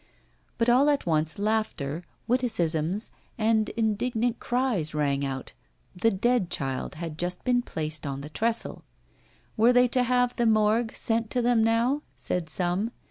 But all at once laughter, witticisms, and indignant cries rang out: 'The Dead Child' had just been placed on the trestle. Were they to have the Morgue sent to them now? said some.